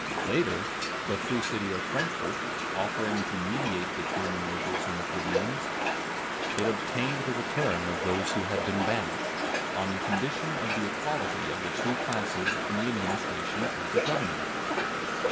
Later, the free city of Frankfort offering to mediate between the nobles and plebeians, it obtained the return of those who had been banished, on condition of the equality of the two classes in the administration of the government.